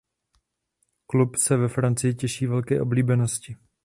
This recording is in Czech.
Klub se ve Francii těší velké oblíbenosti.